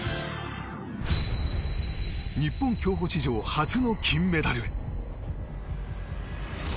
日本競歩史上初の金メダルへ！